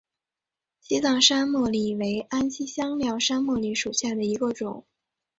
西藏山茉莉为安息香科山茉莉属下的一个种。